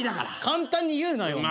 簡単に言うなよ。